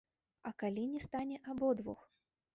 А калі не стане абодвух?